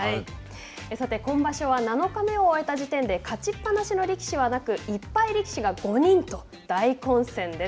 さて、今場所は７日目を終えた時点で勝ちっぱなしの力士はなく、１敗力士が５人と大混戦です。